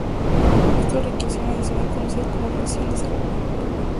Esto requiere de una ecuación adicional conocida como "relación de cerradura".